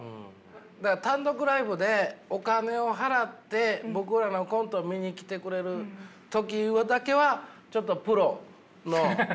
単独ライブでお金を払って僕らのコント見に来てくれる時だけはちょっとプロの。